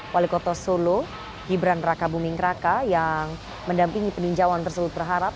wali kota solo gibran raka buming raka yang mendampingi peninjauan tersebut berharap